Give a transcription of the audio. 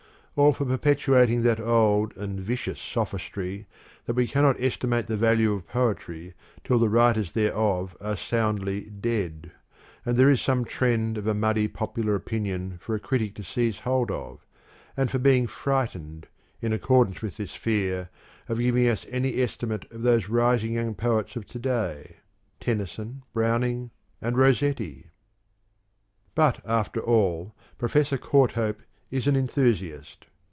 Or for perpetuating that old and vicious sophistry that we cannot estimate the value of poetry till the writers thereof are soundly dead, and there is some trend of a muddy popular opinion for a critic to seize hold of, and for being frightened, in accordance with this fear, of giving us any estimate of those rising young poets of to day Tennyson, Browning, and Rossetti? TWO CRITICS OF POETRY 231 But, after all, Professor Courthope is an enthusiast.